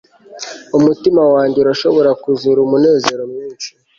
umutima wanjye urashobora kuzura umunezero mwinshi